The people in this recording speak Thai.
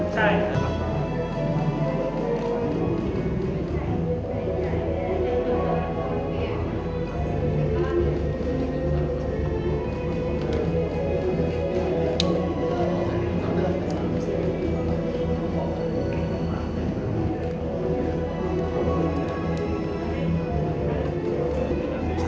ต้นต้นต้นต้นต้นต้น